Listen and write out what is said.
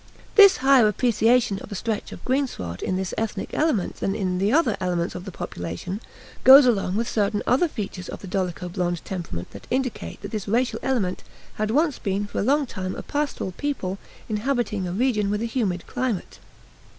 This higher appreciation of a stretch of greensward in this ethnic element than in the other elements of the population, goes along with certain other features of the dolicho blond temperament that indicate that this racial element had once been for a long time a pastoral people inhabiting a region with a humid climate.